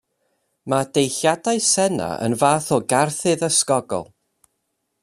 Mae deilliadau Senna yn fath o garthydd ysgogol.